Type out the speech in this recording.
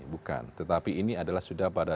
bukan tetapi ini adalah sudah pada